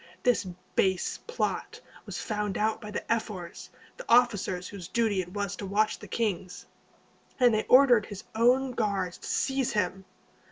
This base plot was found out by the ephors, the officers whose duty it was to watch the kings, and they ordered his own guards to seize him.